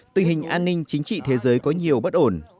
tình hình an ninh chính trị thế giới có nhiều bất ổn